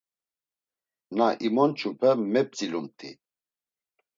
Na imonç̌upe mep̌tzilumt̆i.